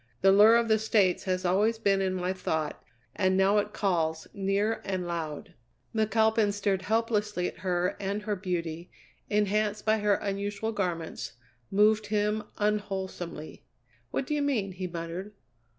The lure of the States has always been in my thought and now it calls near and loud." McAlpin stared helplessly at her, and her beauty, enhanced by her unusual garments, moved him unwholesomely. "What you mean?" he muttered.